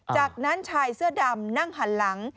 จากนั้นชายเสื้อดำนั่งหันหลัง